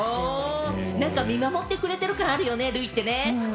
見守ってくれてる感あるよね、類って。